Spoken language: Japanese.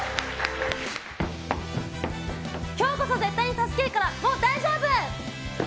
今日こそ絶対に助けるからもう大丈夫！